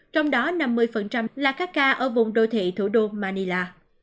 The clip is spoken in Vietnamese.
trong đó năm mươi là các ca ở vùng đô thị thủ đô manila